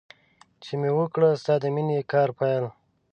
چې مې وکړ ستا د مینې کار پیل.